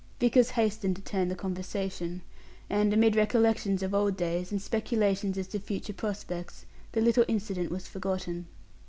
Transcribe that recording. Vickers hastened to turn the conversation, and, amid recollections of old days, and speculations as to future prospects, the little incident was forgotten.